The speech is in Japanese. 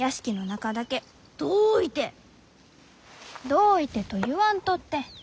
「どういて？」と言わんとって。